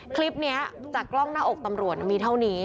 คลิปนี้จากกล้องหน้าอกตำรวจมีเท่านี้